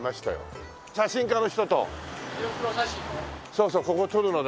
そうそうここ撮るので。